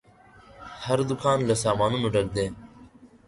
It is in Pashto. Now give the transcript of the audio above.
هر دوکان له سامانونو ډک دی.